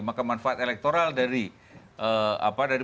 maka manfaat elektoral dari